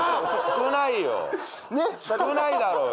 少ないだろうよ。